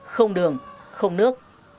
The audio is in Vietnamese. không đường không nước